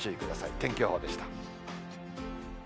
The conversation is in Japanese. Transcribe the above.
天気予報でした。